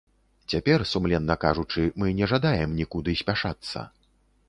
Цяпер, сумленна кажучы, мы не жадаем нікуды спяшацца.